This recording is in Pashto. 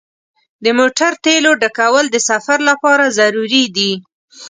د موټر تیلو ډکول د سفر لپاره ضروري دي.